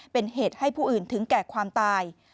เป็นเหตุให้ผู้อื่นถึงแก่ความตาย